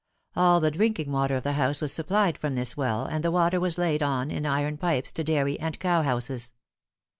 All the drinking water of the house was supplied from this well, and the water was laid on in iron pipes to dairy and cowhouses.